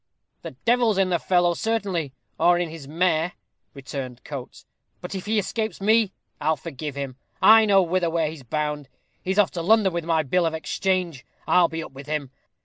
"The devil's in the fellow, certainly, or in his mare," returned Coates; "but if he escapes me, I'll forgive him. I know whither he's bound. He's off to London with my bill of exchange. I'll be up with him.